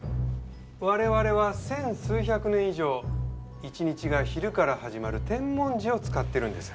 我々は千数百年以上１日が昼から始まる天文時を使ってるんです。